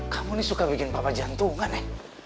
kamu nih suka bikin papa jantungan ya